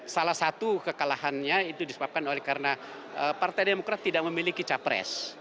salah satu kekalahannya itu disebabkan oleh karena partai demokrat tidak memiliki capres